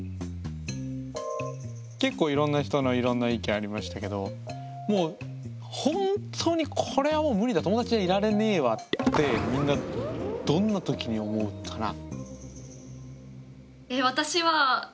結構いろんな人のいろんな意見ありましたけどもう本当にこれはもう無理だ友達でいられねえわってみんなどんなときに思うかな？